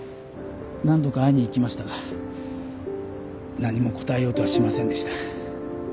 何度か会いに行きましたが何も答えようとはしませんでした。